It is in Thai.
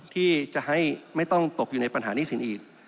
ที่จะให้ไม่ต้องตกอยู่ในปัญหาหนี้สินอีก